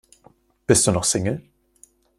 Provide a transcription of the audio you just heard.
Bist du noch Single?